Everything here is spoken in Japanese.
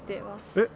えっ？